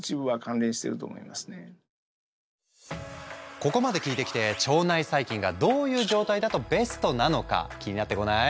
ここまで聞いてきて腸内細菌がどういう状態だとベストなのか気になってこない？